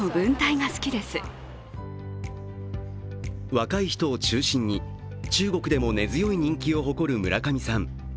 若い人を中心に、中国でも根強い人気を誇る村上さん。